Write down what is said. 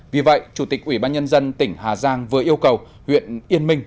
vì vậy chủ tịch ủy ban nhân dân tỉnh hà giang vừa yêu cầu huyện yên minh